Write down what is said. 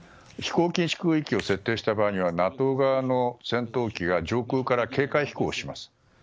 飛行禁止区域を設定した場合にはＮＡＴＯ側の戦闘機が上空から警戒飛行をします。